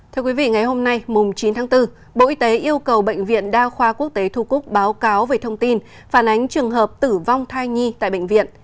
thưa quý vị ngày hôm nay mùng chín tháng bốn bộ y tế yêu cầu bệnh viện đa khoa quốc tế thu cúc báo cáo về thông tin phản ánh trường hợp tử vong thai nhi tại bệnh viện